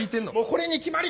これに決まり。